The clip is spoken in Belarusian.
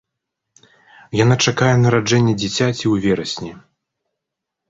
Яна чакае нараджэння дзіцяці ў верасні.